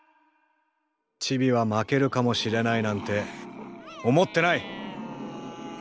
チビは負けるかもしれないなんて思ってない。